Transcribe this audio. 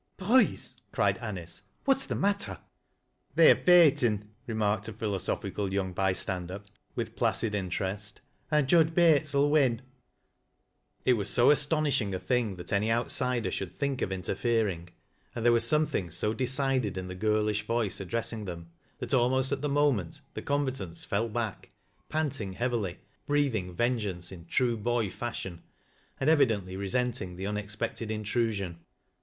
" Boys !" cried Anice. " What's the matter ?"" They're feighten," remarked a philosophical young by stand er, with placid interest, —" an' Jud Bates '11 win '" It was so astonishing a thing that any outsider should ihink of interfering, and there was something so decided Lq the girlish voice addressing them, that almost at the moment the combatants fell back, panting heavily breathing vengeance in true boy fashion, and evidently resenjBQg the unexpected intrusion.